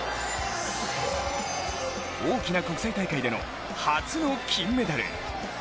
大きな国際大会での初の金メダル。